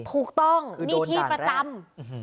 ถูกต้องนี่ที่ประจำ